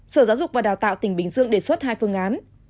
sở giáo dục và đào tạo tỉnh bình dương đề xuất hai phương án